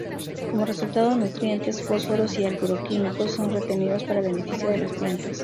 Como resultado, nutrientes, fósforos y agroquímicos son retenidos para beneficio de las plantas.